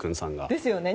ですよね。